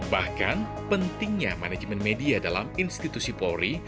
bahkan pentingnya manajemen media dalam institusi polri